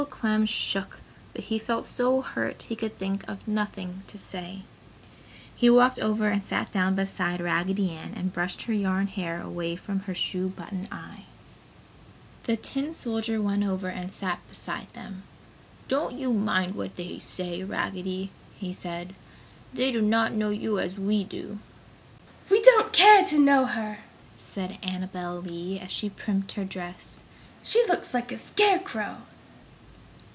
Uncle Clem shook, but he felt so hurt he could think of nothing to say. He walked over and sat down beside Raggedy Ann and brushed her yarn hair away from her shoe button eye. The tin soldier went over and sat beside them. "Don't you mind what they say, Raggedy!" he said, "They do not know you as we do!" "We don't care to know her!" said Annabel Lee as she primped her dress, "She looks like a scarecrow!"